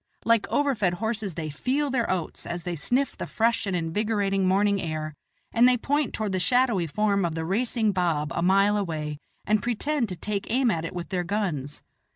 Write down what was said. Like overfed horses they "feel their oats" as they sniff the fresh and invigorating morning air, and they point toward the shadowy form of the racing baab a mile away, and pretend to take aim at it with their guns.